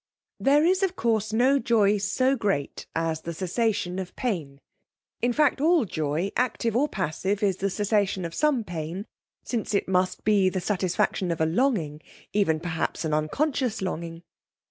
There is, of course, no joy so great as the cessation of pain; in fact all joy, active or passive, is the cessation of some pain, since it must be the satisfaction of a longing, even perhaps an unconscious longing.